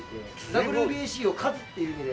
ＷＢＣを勝つ！っていう意味で。